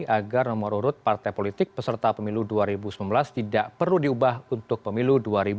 agar nomor urut partai politik peserta pemilu dua ribu sembilan belas tidak perlu diubah untuk pemilu dua ribu sembilan belas